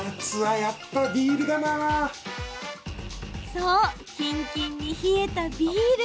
そう、キンキンに冷えたビール。